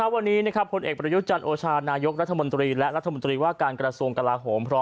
ลำนึกถึงพระมหากรุณาธิคุณครับ